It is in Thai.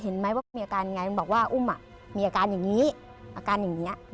เห็นไหมว่าเขามีอาการยังไงมันบอกว่าอุ้มมีอาการอย่างนี้อาการอย่างนี้